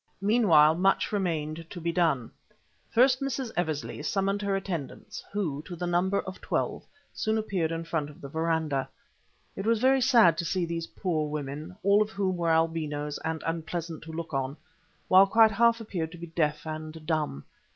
Meanwhile, much remained to be done. First, Mrs. Eversley summoned her attendants, who, to the number of twelve, soon appeared in front of the verandah. It was very sad to see these poor women, all of whom were albinos and unpleasant to look on, while quite half appeared to be deaf and dumb.